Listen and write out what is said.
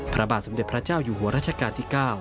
พระบาทสมเด็จพระเจ้าอยู่หัวรัชกาลที่๙